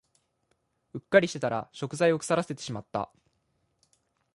うっかりしてたら食材を腐らせてしまった